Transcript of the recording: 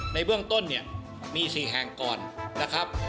ในเบื้องต้นเนี่ยมี๔แห่งก่อนนะครับ